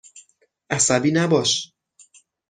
عصبی نباش.